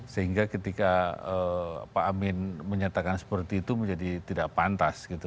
sehingga ketika pak amin menyatakan seperti itu menjadi tidak pantas gitu